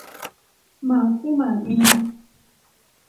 หมากผู้หมากเมีย